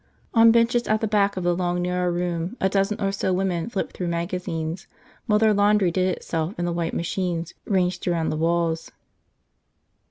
On benches at the back of the long narrow room a dozen or so women flipped through magazines while their laundry did itself in the white machines ranged around the walls.